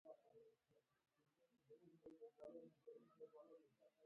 دوی به له علماوو سره ډوډۍ خوړه.